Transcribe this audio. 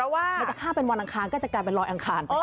มันจะข้ามเป็นวันอังคารก็จะกลายเป็นรอยอังคาร